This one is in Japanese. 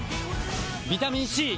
ビタミン Ｃ！